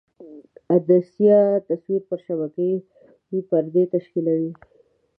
عدسیه تصویر پر شبکیې پردې تشکیولوي.